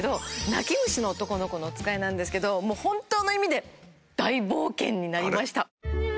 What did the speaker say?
泣き虫の男の子のおつかいなんですけど本当の意味で大冒険になりました。